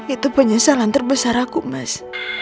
itu penyesalan terbesar aku mas